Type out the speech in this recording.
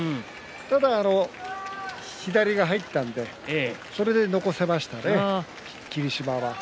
ただ左が入ったのでそれで残せましたね、霧島は。